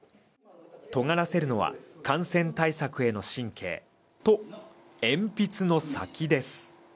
尖らせるのは感染対策への神経と鉛筆の先です